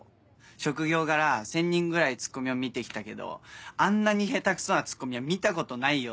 「職業柄１０００人ぐらいツッコミを見てきたけどあんなに下手くそなツッコミは見たことないよ」